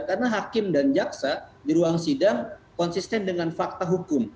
karena hakim dan jaksa di ruang sidang konsisten dengan fakta hukum